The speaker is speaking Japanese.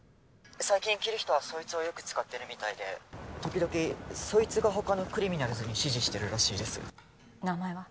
☎最近キリヒトはそいつをよく使ってるみたいで時々そいつが他のクリミナルズに指示してるらしいです名前は？